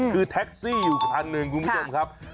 คือแท็กซี่อยู่คันหนึ่งคุณผู้ชมครับ